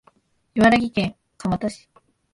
茨城県鉾田市